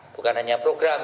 bukan hanya program